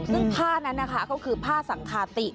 ซึ่งผ้านั้นนะคะก็คือผ้าสังคาติ